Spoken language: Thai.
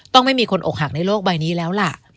ต้องไม่มีคนอกหักในโลกใบนี้แล้วล่ะ